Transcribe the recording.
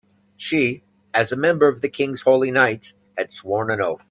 She, as a member of the king's holy knights, had sworn an oath.